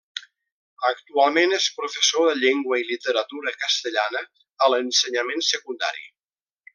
Actualment és professor de llengua i literatura castellana a l'ensenyament secundari.